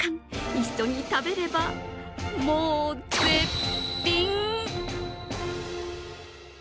一緒に食べればもう絶品。